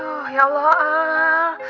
aduh ya allah